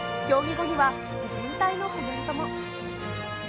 競技後には、自然体のコメントも。